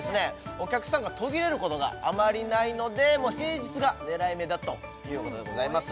お客さんが途切れることがあまりないので平日が狙い目だということでございます